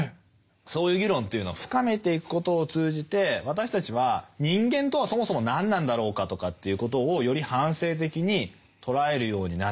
そういう議論というのを深めていくことを通じて私たちは人間とはそもそも何なんだろうかとかっていうことをより反省的に捉えるようになっていく。